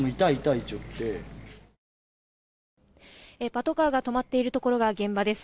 パトカーが止まっているところが現場です。